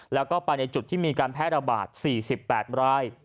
แล้วก็ไปในจุดที่มีการแพร่ระบาด๔๘ราย